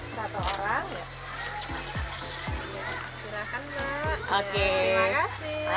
satu orang ya